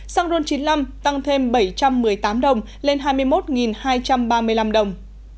xăng ron chín mươi năm tăng thêm bảy trăm một mươi tám đồng lên hai mươi một hai trăm ba mươi năm đồng